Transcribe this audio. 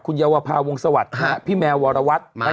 คุณเยาวภาวงศวรรคพี่แมววรวัตร